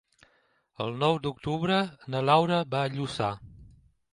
El nou d'octubre na Laura va a Lluçà.